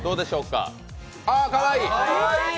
かわいい！